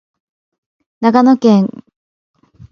長野県喬木村